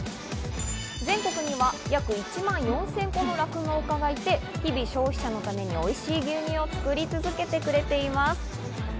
全国には約１万４０００戸の酪農家がいて、日々消費者のためにおいしい牛乳を作り続けています。